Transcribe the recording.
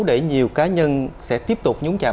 để nhiều cá nhân sẽ tiếp tục nhúng chạm